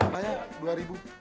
banyak dua ribu